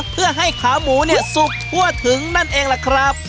เพื่อให้ขาหมูสุกทั่วถึงนั่นเองล่ะครับ